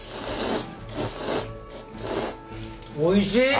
おいしい！